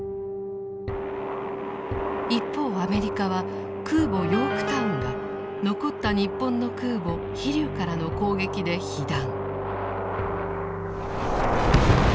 一方アメリカは空母「ヨークタウン」が残った日本の空母「飛龍」からの攻撃で被弾。